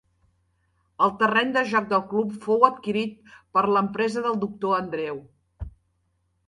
El terreny de joc del club fou adquirit per l'empresa del Doctor Andreu.